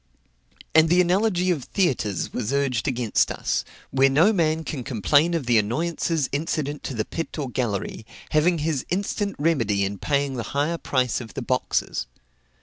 And the analogy of theatres was urged against us, where no man can complain of the annoyances incident to the pit or gallery, having his instant remedy in paying the higher price of the boxes.